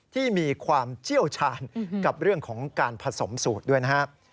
ที่มีความเชี่ยวชาญกับเรื่องของการผสมสูตรด้วยนะครับ